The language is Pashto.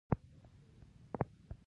خو چې يو يو ګلاس مو وڅښو نو اوبۀ ختمې شوې